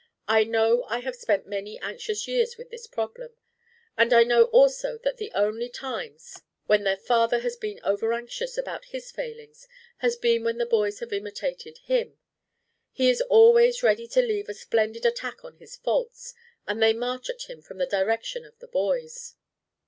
I know I have spent many anxious years with this problem. And I know also that the only times when their father has been overanxious about his failings has been when the boys have imitated him. He is always ready to lead a splendid attack on his faults, and they march at him from the direction of the boys!"